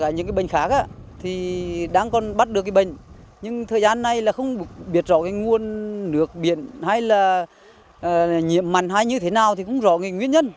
những bệnh khác đang còn bắt được bệnh nhưng thời gian này không biết rõ nguồn nước biển hay nhiễm mặn hay như thế nào thì không rõ nguyên nhân